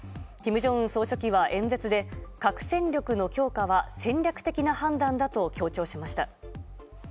金正恩総書記は演説で核戦力の強化は戦略的な判断だと強調しました。